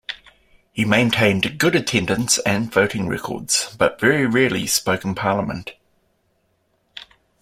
He maintained good attendance and voting records, but very rarely spoke in Parliament.